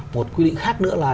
một quy định khác nữa là